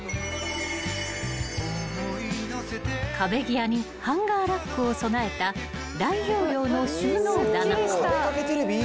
［壁際にハンガーラックを備えた大容量の収納棚］